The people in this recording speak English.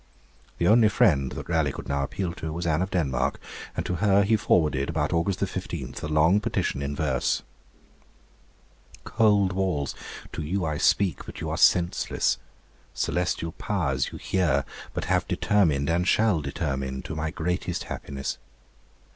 The only friend that Raleigh could now appeal to was Anne of Denmark, and to her he forwarded, about August 15, a long petition in verse: Cold walls, to you I speak, but you are senseless! Celestial Powers, you hear, but have determined, And shall determine, to my greatest happiness.